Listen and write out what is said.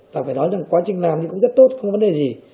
và phải nói rằng quá trình làm cũng rất tốt không có vấn đề gì